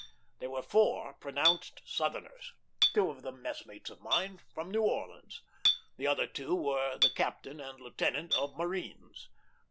There were four pronounced Southerners: two of them messmates of mine, from New Orleans. The other two were the captain and lieutenant of marines.